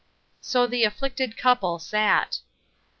So the afflicted couple sat.